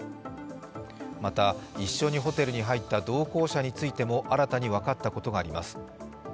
また、一緒にホテルに入った同行者についても新たに分かったことがあります。